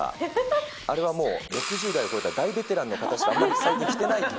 あれはもう、６０代を超えた大ベテランの方しかあまり最近着てない。